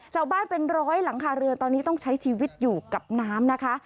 ชาวบ้านเป็นร้อยหลังคาเรือตอนนี้ต้องใช้ชีวิตอยู่กับน้ำนะคะ